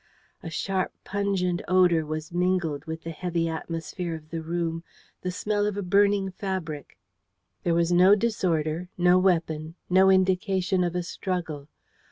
A sharp, pungent odour was mingled with the heavy atmosphere of the room the smell of a burning fabric. There was no disorder, no weapon, no indication of a struggle.